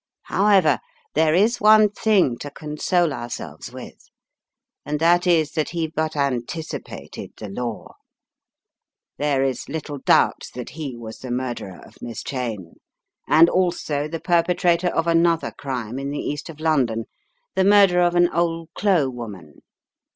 "However, there is one thing to console ourselves with, and that is that he but anticipated the law. There is little doubt that he was the murderer of Miss Cheyne, and also the perpetrator of another crime in the East of London — the murder of an *ole clo' woman.